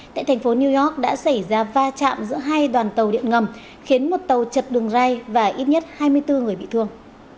tại thành phố new york đã xảy ra va chạm giữa hai đoàn tàu điện ngầm khiến một tàu chật đường ray và ít nhất hai mươi bốn người bị thương